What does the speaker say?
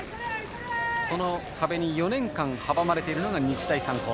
その壁に４年間阻まれているのが日大三高。